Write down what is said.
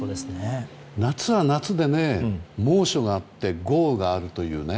夏は夏で猛暑があって豪雨があるというね。